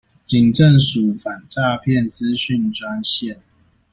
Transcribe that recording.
警政署反詐騙諮詢專線